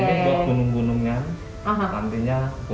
ini buat gunung gunungan